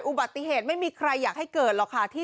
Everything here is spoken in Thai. อุบัติเหตุไม่มีใครอยากให้เกิดหรอกค่ะ